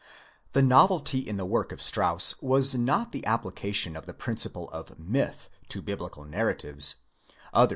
The novelty in the work of Strauss was not the application of the principle of " myth" to Biblical narratives ; others.